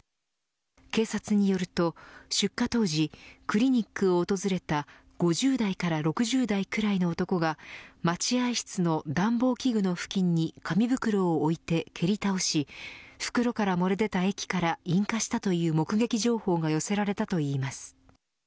警察によると、出火当時クリニックを訪れた５０代から６０代くらいの男が待合室の暖房器具の付近に紙袋を置いて蹴り倒し袋から漏れでた液から引火したという目撃情報が寄せられたといいます。